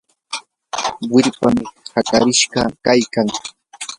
wirpami hakarishqa kaykan.